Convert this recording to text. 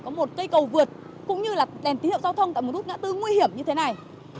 có một cây cầu vượt cũng như là đèn tín hiệu giao thông tại một nút ngã tư nguy hiểm như thế này